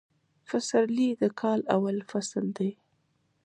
فسرلي د کال اول فصل دي